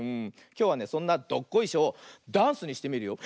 きょうはねそんな「どっこいしょ」をダンスにしてみるよ。